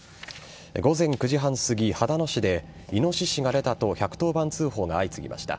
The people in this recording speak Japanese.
午前９時半すぎ、秦野市でイノシシが出たと１１０番通報が相次ぎました。